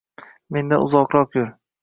Mendan uzoqroq yur.